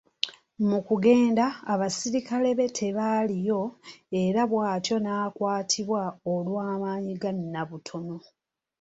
Mu kugenda, abaserikale be tebaaliyo era bw’atyo n’akwatibwa olw’amaanyi ga Nnabutono.